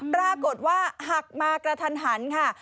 ปรากฏว่าหักมากระทันหันค่ะ